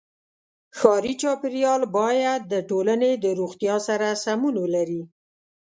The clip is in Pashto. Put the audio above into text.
ښاري چاپېریال باید د ټولنې د روغتیا سره سمون ولري.